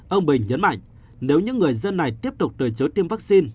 ông bình nhấn mạnh nếu những người dân này tiếp tục từ chối tiêm vaccine